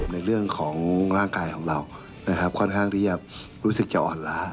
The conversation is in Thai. ในเรื่องของร่างกายของเรานะครับค่อนข้างที่จะรู้สึกจะอ่อนล้า